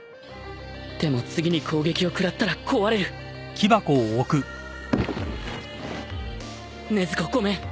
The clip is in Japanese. でも次に攻撃を食らったら壊れる禰豆子ごめん。